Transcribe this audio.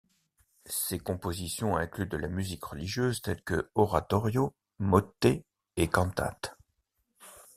Ses compositions incluent de la musique religieuse telle que oratorios, motets et cantates.